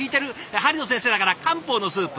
鍼の先生だから漢方のスープ。